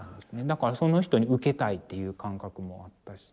だからその人にウケたいっていう感覚もあったし。